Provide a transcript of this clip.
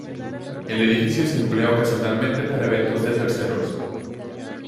El edificio se emplea ocasionalmente para eventos de terceros.